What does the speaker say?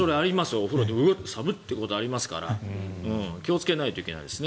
お風呂で寒っ！ってことありますから気をつけないといけないですね。